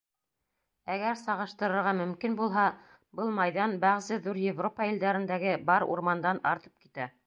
Әгәр сағыштырырға мөмкин булһа, был майҙан бәғзе ҙур Европа илдәрендәге бар урмандан артып китә.